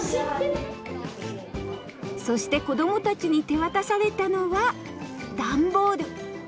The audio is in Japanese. そして子供たちに手渡されたのはダンボール。